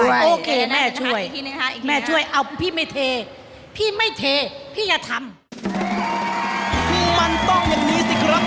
มันต้องอย่างนี้สิครับแม่แค่จ้าวจริงครับ